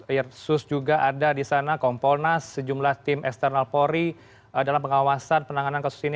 irsus juga ada di sana kompolnas sejumlah tim eksternal polri dalam pengawasan penanganan kasus ini